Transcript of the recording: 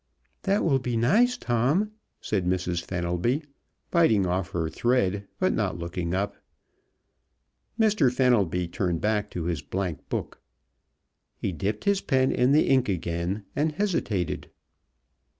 "That will be nice, Tom," said Mrs. Fenelby, biting off her thread, but not looking up. Mr. Fenelby turned back to his blankbook. He dipped his pen in the ink again, and hesitated.